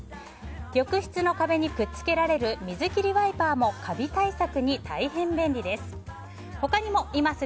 浴室の壁にくっつけられる水切りワイパーもカビ対策に大変便利です。